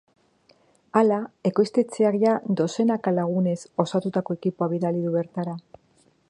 Hala, ekoiztetxeak jada dozenaka lagunez osatutako ekipoa bidali du bertara.